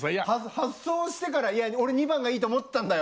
発走をしてから「いや俺２番がいいと思ってたんだよ